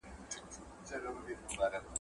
هغه بله یې مرګی له خدایه غواړي ,